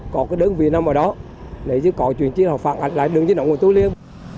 có cái đơn vị nằm ở đó nếu có chuyện chứ họ phản ảnh lại đường di động của tôi liên